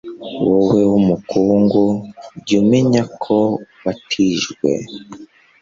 wowe w'umukungu, jya umenya ko watijwe